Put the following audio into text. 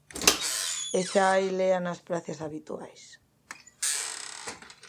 E xa hai lea nas prazas habituais.